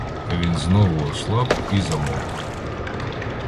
Він знову ослаб і замовк.